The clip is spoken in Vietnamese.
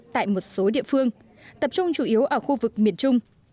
tại một số địa phương tập trung chủ yếu ở khu vực miền trung